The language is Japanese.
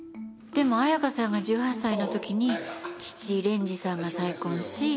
でも彩華さんが１８歳の時に父蓮司さんが再婚し。